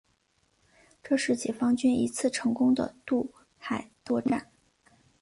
这是解放军一次成功的渡海登陆作战。